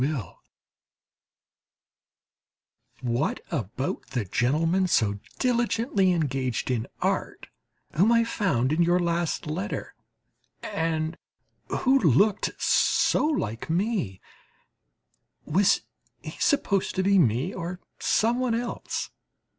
What about the gentleman so diligently engaged in art whom I found in your last letter, and who looked so like me was he supposed to be me or somebody else?